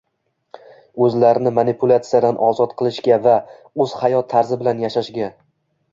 o‘zlarini manipulyatsiyadan ozod qilishga va o‘z hayot tarzi bilan yashashga